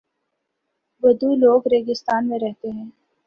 بدو لوگ ریگستان میں رہتے ہیں۔